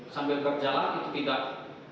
sambil berjalan itu tidak